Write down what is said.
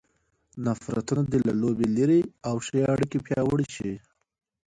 نفرتونه دې له لوبې لیرې او ښې اړیکې پیاوړې شي.